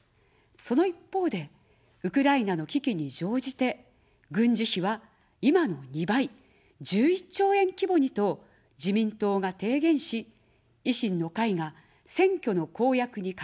その一方で、ウクライナの危機に乗じて、軍事費は今の２倍、１１兆円規模にと自民党が提言し、維新の会が選挙の公約に掲げてあおっています。